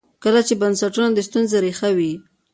کله چې بنسټونه د ستونزې ریښه وي.